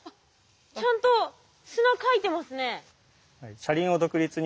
ちゃんと砂かいてますね。